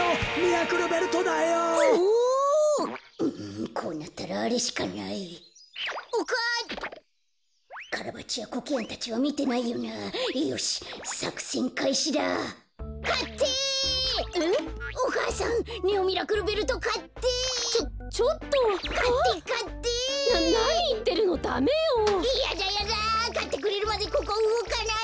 かってくれるまでここうごかない！